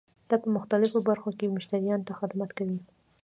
دا په مختلفو برخو کې مشتریانو ته خدمت کوي.